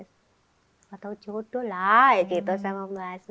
serta tahu jodoh lah gitu sama mbak asni